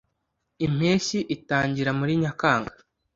impeshyi itangira muri nyakanga